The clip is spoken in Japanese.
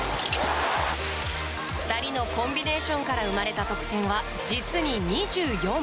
２人のコンビネーションから生まれた得点は、実に２４。